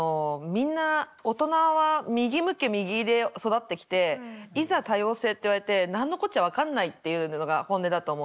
みんな大人は右向け右で育ってきていざ多様性って言われて何のこっちゃ分かんないっていうのが本音だと思う。